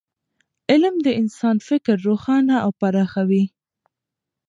علم د انسان فکر روښانه او پراخوي.